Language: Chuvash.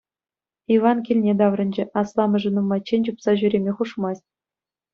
Иван килне таврӑнчӗ: асламӑшӗ нумайччен чупса ҫӳреме хушмасть.